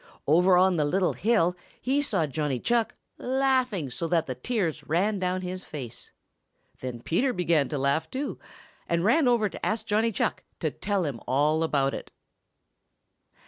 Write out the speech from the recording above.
Over on the little hill he saw Johnny Chuck laughing so that the tears ran down his face. Then Peter began to laugh, too, and ran over to ask Johnny Chuck to tell him all about it.